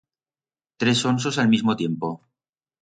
Tres onsos a'l mismo tiempo.